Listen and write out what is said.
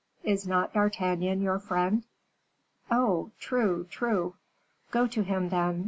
Is not D'Artagnan your friend?" "Oh! true, true!" "Got to him, then.